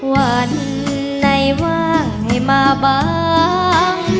วันไหนว่างให้มาบาง